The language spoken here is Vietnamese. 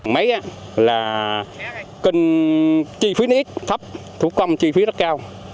máy là kinh chi phí nít thấp thủ công chi phí rất cao